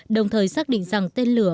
đồng thời xác định rằng tên lửa